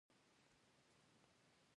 پکتیکا د افغانستان د طبیعت برخه ده.